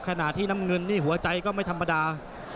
ขณะที่น้ำเงินนี่หัวใจก็ไม่ธรรมดา